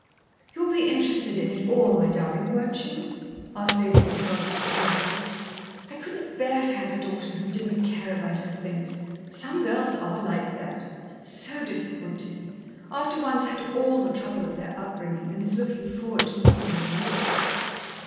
"You'll be interested in it all, my darling, won't you?" asked Lady Isabel disappointedly. "I couldn't bear to have a daughter who didn't care about her things some girls are like that so disappointin'; after one's had all the trouble of their upbringin' and is lookin' forward to a little reward."